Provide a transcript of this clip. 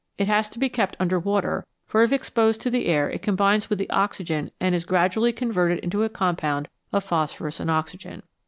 It has to be kept under water, for if exposed to the air it combines with the oxygen and is gradually converted into a compound of phosphorus and oxygen.